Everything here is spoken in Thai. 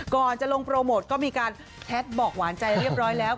ก่อนจะลงโปรโมทก็มีการแท็กบอกหวานใจเรียบร้อยแล้ว